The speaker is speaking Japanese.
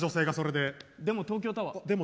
でも、東京タワー。